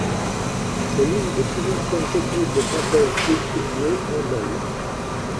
C'est l'une des plus anciennes techniques de synthèse substitué d'indole.